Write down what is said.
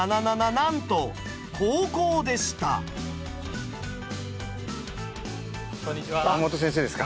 なんと高校でした山本先生ですか？